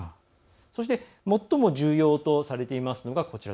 そして、最も重要とされていますのがこちら。